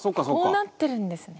「こうなってるんですね」